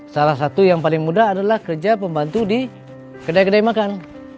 salah satu yang paling mudah adalah kerja pembantu di kedai kedai makan